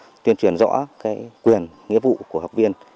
và tuyên truyền rõ quyền nghĩa vụ của học viên